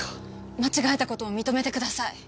間違えた事を認めてください。